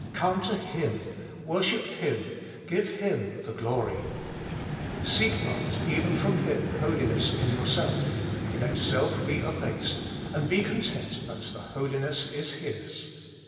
Come to Him ; worship Him ; give Him the glory. Seek not, even from Him, holiness in yourself ; let self be abased, and be content that the Holiness is His.